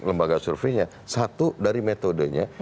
lembaga surveinya satu dari metodenya